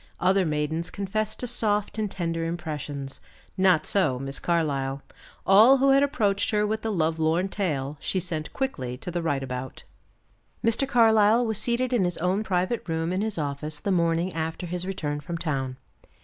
Other maidens confess to soft and tender impressions. Not so Miss Carlyle. All who had approached her with the lovelorn tale, she sent quickly to the right about. Mr. Carlyle was seated in his own private room in his office the morning after his return from town.